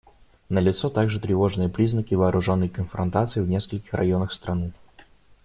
Налицо также тревожные признаки вооруженной конфронтации в нескольких районах страны.